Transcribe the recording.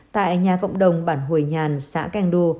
tại nhà cộng đồng bản hồi nhàn xã keng du